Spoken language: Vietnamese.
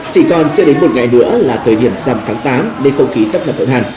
chỉ còn chưa đến một ngày nữa là thời điểm dằm tháng tám nên không khí tấp hợp với hàn